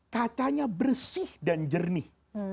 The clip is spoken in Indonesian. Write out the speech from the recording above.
kacanya bersih dan jernih